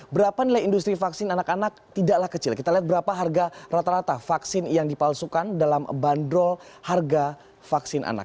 berapa nilai industri vaksin anak anak tidaklah kecil kita lihat berapa harga rata rata vaksin yang dipalsukan dalam bandrol harga vaksin anak